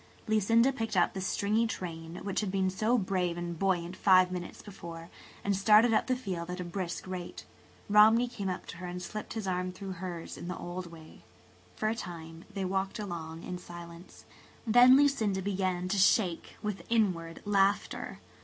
Lucinda picked up the stringy train, which had been so brave and buoyant five minutes before, and started up the field at a brisk rate. Romney came up to her and slipped his arm through hers in the old way. For a time they walked along in silence. Then Lucinda began to shake with inward laughter.